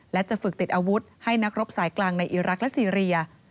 และจะฝึกติดอาวุธให้นักรบสายกลางในอีรักษ์และซีเรีย